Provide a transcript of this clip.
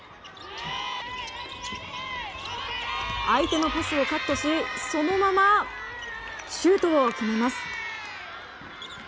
相手のパスをカットしそのままシュートを決めます。